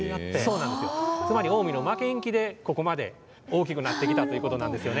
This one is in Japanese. つまり、近江の負けん気でここまで大きくなってきたということなんですよね。